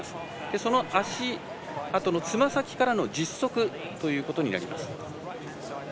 その足跡の、つま先からの実測ということになります。